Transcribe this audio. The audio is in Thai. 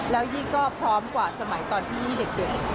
แล้วยิ่งก็พร้อมกว่าสมัยตอนที่เด็ก